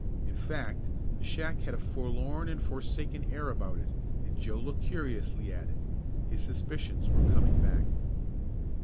In fact the shack had a forlorn and forsaken air about it, and Joe looked curiously at it. His suspicions were coming back.